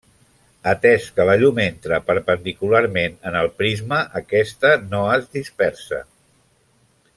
Atès que la llum entra perpendicularment en el prisma aquesta no es dispersa.